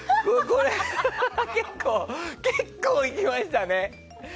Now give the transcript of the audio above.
これ、結構いきましたね。